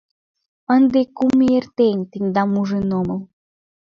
Ынде кум ий эртен, тендам ужын омыл.